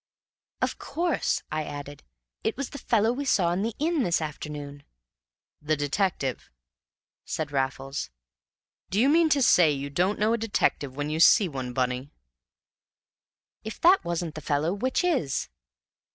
"Of course," I added, "it was the fellow we saw in the inn this afternoon." "The detective?" said Raffles. "Do you mean to say you don't know a detective when you see one, Bunny?" "If that wasn't the fellow, which is?"